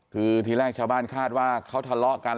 คือทีแรกชาวบ้านคาดว่าเขาทะเลาะกัน